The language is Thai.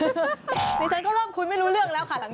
ในชั้นก้อร่มคุยไม่รู้เรื่องแล้วค่ะหลัง